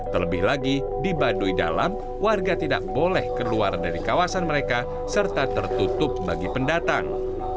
terlebih lagi di baduy dalam warga tidak boleh keluar dari kawasan mereka serta tertutup bagi pendatang